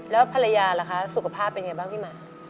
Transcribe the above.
แล้วภรรยาล่ะคะสุขภาพเป็นไงบ้างพี่หมา